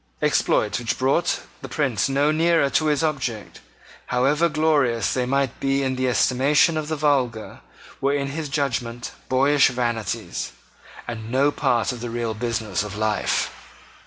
Exploits which brought the Prince no nearer to his object, however glorious they might be in the estimation of the vulgar, were in his judgment boyish vanities, and no part of the real business of life.